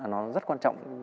nó rất quan trọng